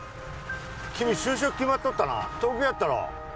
君就職決まっとったな東京やったろ？